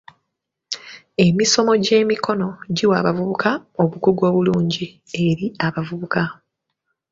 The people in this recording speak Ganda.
Emisomo gy'ebyemikono giwa abavubuka obukugu obulungi eri abavubuka.